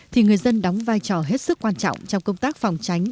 thì người dân đóng vai trò hết sức quan trọng trong công tác phòng tránh